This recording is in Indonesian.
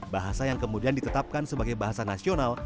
bahasa yang kemudian ditetapkan sebagai bahasa nasional